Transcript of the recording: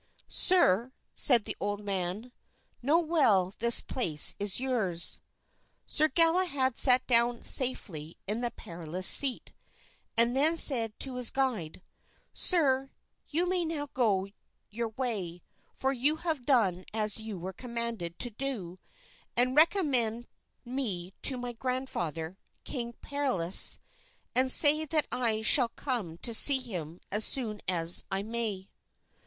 "Sir," said the old man, "know well this place is yours." Sir Galahad sat down safely in the Perilous Seat, and then said to his guide, "Sir, you may now go your way, for you have done as you were commanded to do; and recommend me to my grandfather, King Pelleas, and say that I shall come to see him as soon as I may."